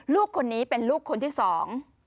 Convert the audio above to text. ลูกคนนี้เป็นลูกคนที่สอง